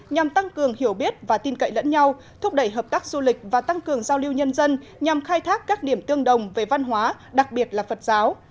nhằm tăng cường hiểu biết và tin cậy lẫn nhau thúc đẩy hợp tác du lịch và tăng cường giao lưu nhân dân nhằm khai thác các điểm tương đồng về văn hóa đặc biệt là phật giáo